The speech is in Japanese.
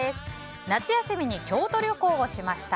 夏休みに京都旅行をしました。